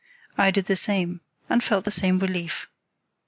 I did the same, and felt the same relief.